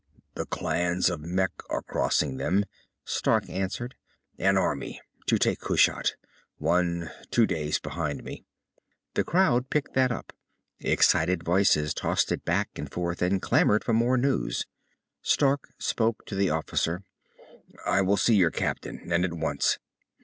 "The clans of Mekh are crossing them," Stark answered. "An army, to take Kushat one, two days behind me." The crowd picked that up. Excited voices tossed it back and forth, and clamored for more news. Stark spoke to the officer. "I will see your captain, and at once."